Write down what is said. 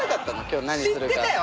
今日何するか。